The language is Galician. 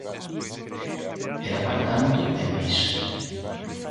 Era para tanto e mais.